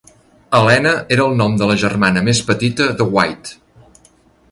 Helena era el nom de la germana més petita de White.